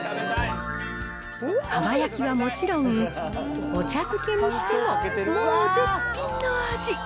かば焼きはもちろん、お茶漬けにしても、もう絶品の味。